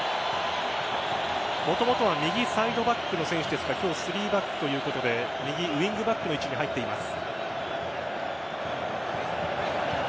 もともとは右サイドバックの選手ですが今日は３バックということで右ウイングバックの位置に入っています。